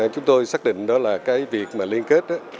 chúng tôi xác định đó là cái việc mà liên kết